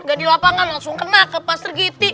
gak di lapangan langsung kena ke pas trik itik